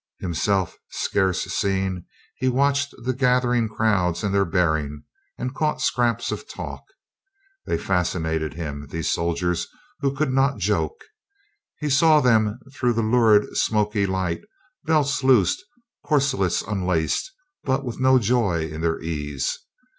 Him self scarce seen, he watched the gathering crowds and their bearing, and caught scraps of talk. They fascinated him, these soldiers who could not joke. He saw them through the lurid, smoky light, belts loosed, corselets unlaced, but with no joy in their ease.